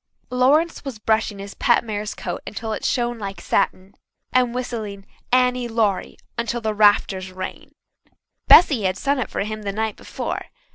Lawrence was brushing his pet mare's coat until it shone like satin, and whistling "Annie Laurie" until the rafters rang. Bessy had sung it for him the night before.